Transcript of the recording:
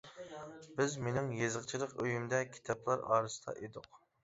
بىز مېنىڭ يېزىقچىلىق ئۆيۈمدە، كىتابلار ئارىسىدا ئىدۇق.